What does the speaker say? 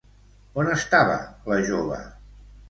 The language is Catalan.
On estava la jove?